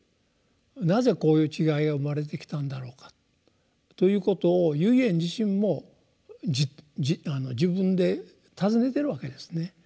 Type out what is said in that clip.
「なぜこういう違いが生まれてきたんだろうか」ということを唯円自身も自分で尋ねてるわけですね。